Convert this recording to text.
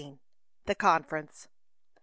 THE CONFERENCE. Mr.